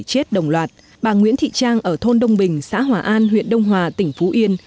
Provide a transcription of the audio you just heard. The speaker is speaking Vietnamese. chết đồng loạt bà nguyễn thị trang ở thôn đông bình xã hòa an huyện đông hòa tỉnh phú yên